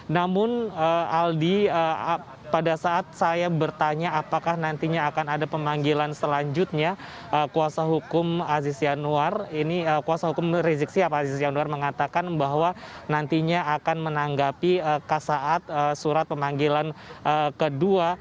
namun aldi pada saat saya bertanya apakah nantinya akan ada pemanggilan selanjutnya kuasa hukum rizik sihab mengatakan bahwa nantinya akan menanggapi kasaat surat pemanggilan kedua